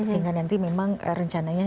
sehingga nanti memang rencananya